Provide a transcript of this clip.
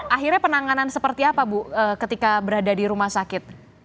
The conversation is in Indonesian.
akhirnya penanganan seperti apa bu ketika berada di rumah sakit